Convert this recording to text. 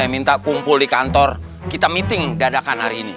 minta kumpul di kantor kita meeting dadakan hari ini